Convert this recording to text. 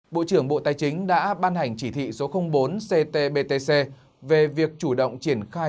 bộ trưởng bộ tài chính đã ban hành chỉ thị số bốn ctbtc về việc chủ động triển khai